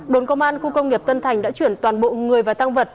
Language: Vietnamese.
đồn công an khu công nghiệp tân thành đã chuyển toàn bộ người và tăng vật